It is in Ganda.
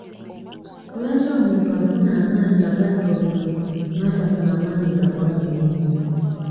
Lwaki omuntu afuna amaanyi agatta omuntu n'atafuna maanyi gakola mirimu.